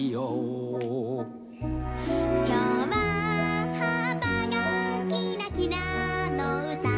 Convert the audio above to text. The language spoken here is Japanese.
「きょうははっぱがきらきらのうた」